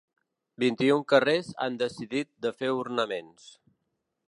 Vint-i-un carrers han decidit de fer ornaments.